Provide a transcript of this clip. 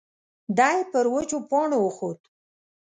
دی پر وچو پاڼو وخوت.